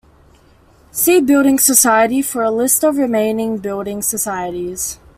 See Building society for a list of the remaining building societies.